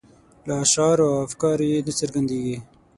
له اشعارو او افکارو یې نه څرګندیږي.